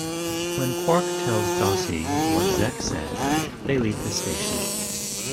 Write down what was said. When Quark tells the Dosi what Zek said, they leave the station.